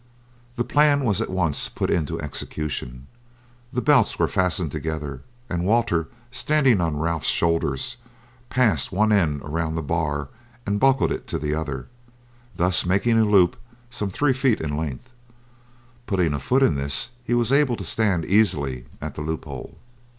The plan was at once put into execution; the belts were fastened together and Walter standing on Ralph's shoulders passed one end around the bar and buckled it to the other, thus making a loop some three feet in length; putting a foot in this he was able to stand easily at the loophole.